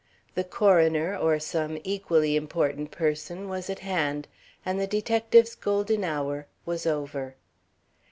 The coroner, or some equally important person, was at hand, and the detective's golden hour was over.